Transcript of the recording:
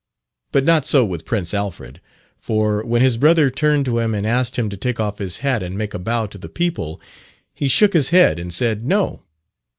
But not so with Prince Alfred; for, when his brother turned to him and asked him to take off his hat and make a bow to the people, he shook his head and said, "No."